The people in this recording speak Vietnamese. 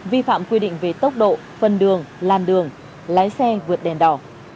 vi phạm quy định về tốc độ phân đường làn đường lái xe vượt đèn đỏ